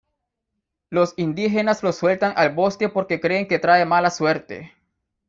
Los indígenas los sueltan al bosque porque creen que trae mala suerte.